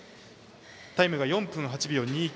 タイムが４分８秒２９。